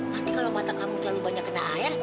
nanti kalau mata kamu terlalu banyak kena air